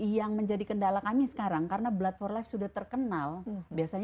yang menjadi kendala kami sekarang karena blood for life ini sudah berjalan dengan cara yang sama dengan kita sekarang